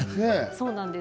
そうなんです。